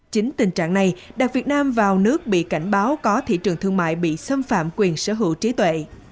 chính tình trạng này đặt việt nam vào nước bị cảnh báo có thị trường thương mại bị xâm phạm quyền sở hữu trí tuệ